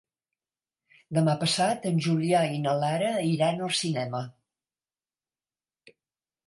Demà passat en Julià i na Lara iran al cinema.